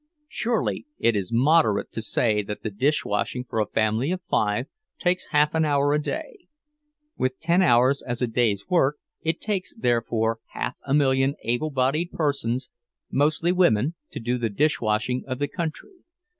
Surely it is moderate to say that the dish washing for a family of five takes half an hour a day; with ten hours as a day's work, it takes, therefore, half a million able bodied persons—mostly women to do the dish washing of the country.